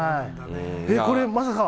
これまさか。